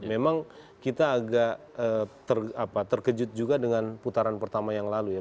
memang kita agak terkejut juga dengan putaran pertama yang lalu ya